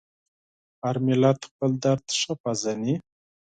هر ملت خپل درد ښه پېژني.